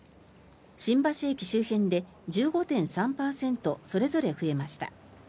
新橋駅周辺で１５．３％それぞれ増えました。